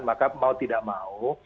maka mau tidak mau